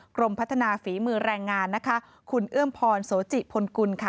กรมพัฒนาฝีมือแรงงานนะคะคุณเอื้อมพรโสจิพลกุลค่ะ